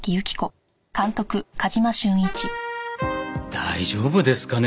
大丈夫ですかね？